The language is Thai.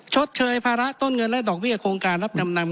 ชดเชยภาระต้นเงินและดอกเบี้ยโครงการรับจำนำ